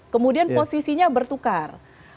kemudian posisinya bertukar